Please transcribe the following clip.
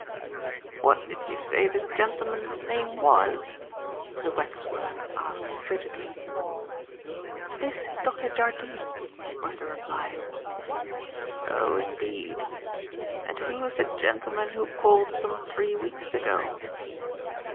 "What did you say this gentleman's name was!" the waxwork asked frigidly. "This is Dr. Jardine," was the reply. "Oh, indeed. And who was the gentleman who called some three weeks ago?"